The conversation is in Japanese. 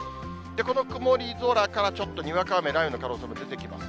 この曇り空からちょっとにわか雨、雷雨の可能性も出てきます。